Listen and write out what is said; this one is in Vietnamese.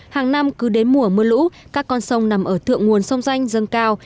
hàng năm cứ đến mùa mưa lũ các con sông nằm ở thượng nguồn sông danh dân cao